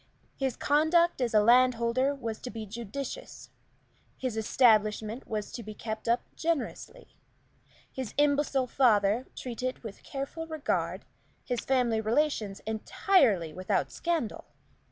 His conduct as a landholder was to be judicious, his establishment was to be kept up generously, his imbecile father treated with careful regard, his family relations entirely without scandal.